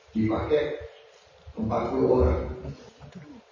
dipakai empat puluh orang